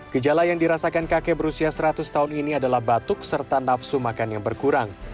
gejala yang dirasakan kakek berusia seratus tahun ini adalah batuk serta nafsu makan yang berkurang